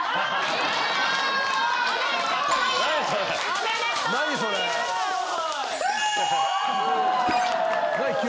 おめでとう真佑。